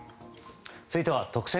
続いては特選！！